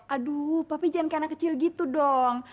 aduh papi jangan kayak anak kecil gitu dong